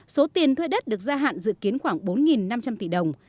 số tiền thuê đất được gia hạn dự kiến khoảng bốn năm trăm linh tỷ đồng